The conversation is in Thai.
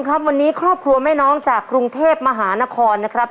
เกิดเมื่อที่วันนี้คอบครัวแม่น้องจากกรุงเทพมหานคอนนะครับ